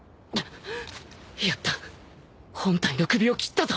やった本体の首を斬ったぞ！